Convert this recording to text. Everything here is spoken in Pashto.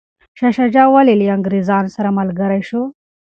شاه شجاع ولي له انګریزانو سره ملګری شو؟